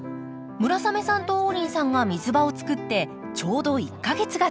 村雨さんと王林さんが水場を作ってちょうど１か月がたちました。